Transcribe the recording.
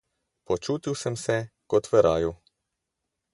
Počutil sem se kot v raju.